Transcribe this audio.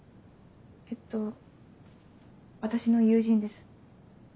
えっと私の友人です。